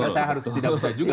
saya harus tidak bisa juga